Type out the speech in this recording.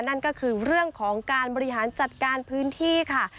นั่นก็คือเรื่องของการบริหารจัดการพื้นที่ค่ะ